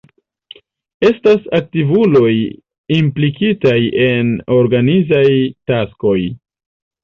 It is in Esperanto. Estas aktivuloj implikitaj en organizaj taskoj.